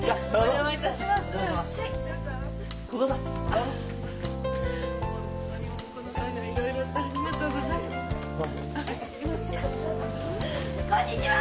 あっこんにちは！